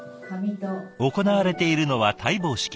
行われているのは戴帽式。